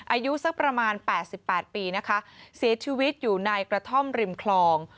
อายุสักประมาณ๘๘ปีนะคะเสียชีวิตอยู่ในกระท่อมริมคลอง